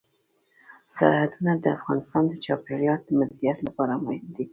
سرحدونه د افغانستان د چاپیریال د مدیریت لپاره مهم دي.